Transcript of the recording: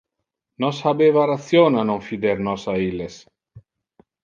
Nos habeva ration a non fider nos a illes.